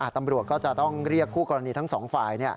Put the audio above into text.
ตำรวจก็จะต้องเรียกคู่กรณีทั้งสองฝ่าย